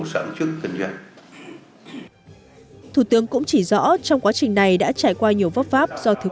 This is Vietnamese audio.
sản xuất kinh doanh thủ tướng cũng chỉ rõ trong quá trình này đã trải qua nhiều vấp váp do thiếu